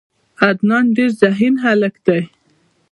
عدنان ډیر ذهین هلک ده.